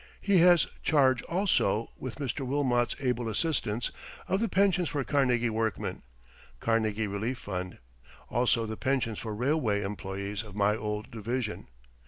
He has charge also, with Mr. Wilmot's able assistance, of the pensions for Carnegie workmen (Carnegie Relief Fund); also the pensions for railway employees of my old division.